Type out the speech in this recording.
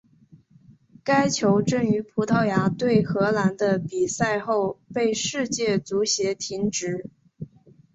该球证于葡萄牙对荷兰的比赛后被世界足协停职。